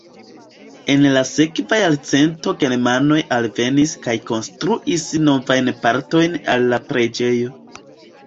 En la sekva jarcento germanoj alvenis kaj konstruis novajn partojn al la preĝejo.